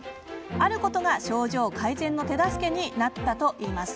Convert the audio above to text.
あることが症状改善の手助けになったといいます。